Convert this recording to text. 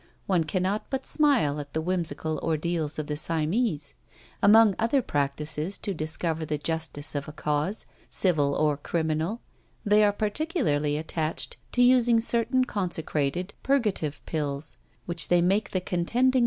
One cannot but smile at the whimsical ordeals of the Siamese. Among other practices to discover the justice of a cause, civil or criminal, they are particularly attached to using certain consecrated purgative pills, which they make the contending parties swallow.